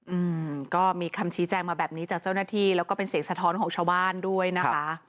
อืมก็มีคำชี้แจงมาแบบนี้จากเจ้าหน้าที่แล้วก็เป็นเสียงสะท้อนของชาวบ้านด้วยนะคะ